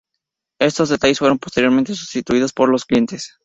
Estos detalles fueron posteriormente sustituidos por los clientes.